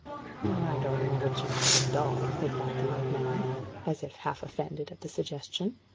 "I don't know what you call dull," replied the old man, as if half offended at the suggestion.